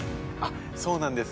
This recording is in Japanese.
そうなんです